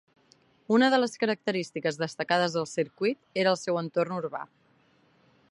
Una de les característiques destacades del circuit era el seu entorn urbà.